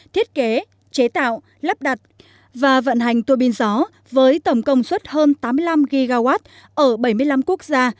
thiết kế chế tạo lắp đặt và vận hành tuô bin gió với tổng công suất hơn tám mươi năm gigawatt ở bảy mươi năm quốc gia